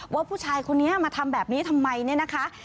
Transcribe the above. ว่าผู้ชายคนนี้มาทำแบบนี้ทำไมเนี่ยนะคะ